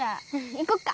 行こっか。